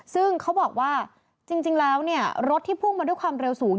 ซึ่งเขาบอกว่าจริงแล้วรถที่พุ่งมาด้วยความเร็วสูง